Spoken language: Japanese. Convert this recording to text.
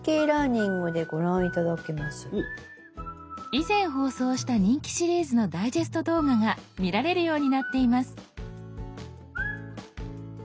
以前放送した人気シリーズのダイジェスト動画が見られるようになっています。